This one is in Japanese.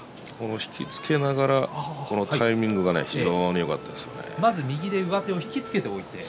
引き付けがタイミングが非常によかったですね。